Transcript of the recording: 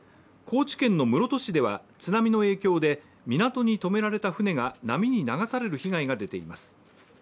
高知県の室戸市では津波の影響で港に止められた船が波に流される被害が出ています。